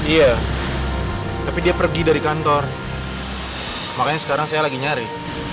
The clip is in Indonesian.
iya tapi dia pergi dari kantor makanya sekarang saya lagi nyari